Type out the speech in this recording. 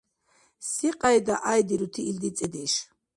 Секьяйда гӀяйдирути илди цӀедеш?